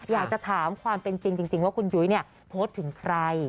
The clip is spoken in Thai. อยากจะถามความเป็นจริงจริงว่าคุณยุ้ยเนี่ยโพสต์ถึงใคร